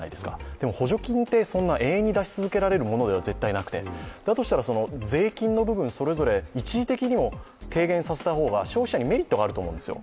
でも補助金って永遠に出し続けられるものではなくてだとしたら税金の部分、それぞれ一時的にも軽減させた方が消費者にメリットがあると思うんですよ。